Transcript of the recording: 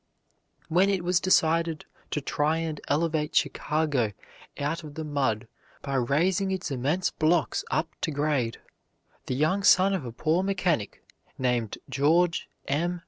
When it was decided to try and elevate Chicago out of the mud by raising its immense blocks up to grade, the young son of a poor mechanic, named George M.